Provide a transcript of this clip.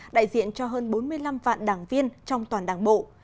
đại diện cho hơn bốn mươi năm vạn đảng viên trong toàn đảng bộ